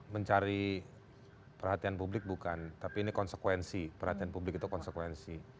mencari perhatian publik bukan tapi ini konsekuensi perhatian publik itu konsekuensi